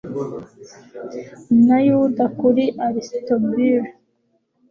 na yuda, kuri aristobule